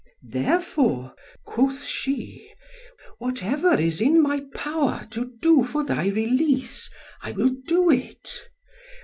Therefore," quoth she, "whatever is in my power to do for thy release, I will do it.